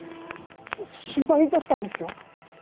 心配だったんですよ。